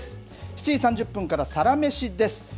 ７時３０分からサラメシです。